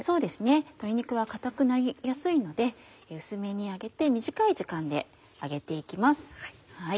鶏肉は硬くなりやすいので薄めに揚げて短い時間で揚げて行きます。